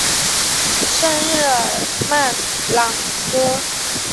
圣日尔曼朗戈。